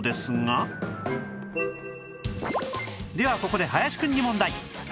ここで林くんに問題